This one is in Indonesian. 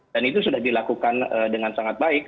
dan itu sudah dilakukan dengan sangat baik